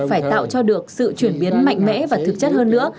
phải tạo cho được sự chuyển biến mạnh mẽ và thực chất hơn nữa